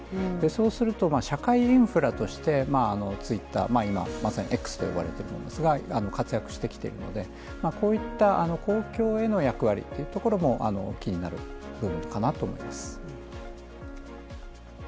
そうすると社会インフラとしてＴｗｉｔｔｅｒ、今はＸと呼ばれるものですが活躍してきているのでこういった公共への役割というところも気になる部分かなと思います。